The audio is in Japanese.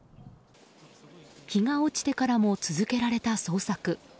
日が落ちてからも続けられた捜索。